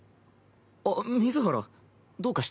あっ水原どうかした？